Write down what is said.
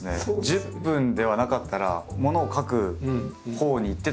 １０分ではなかったらものを書くほうにいってたかもしれない？